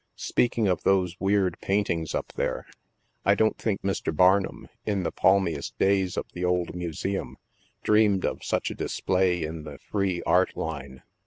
Speaking of those weird paintings up there, I don't think Mr. Barnuin, in the palmiest days of the Old Museum, dreamed of such a display in the Free Art Line.